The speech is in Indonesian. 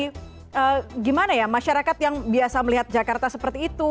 jadi gimana ya masyarakat yang biasa melihat jakarta seperti itu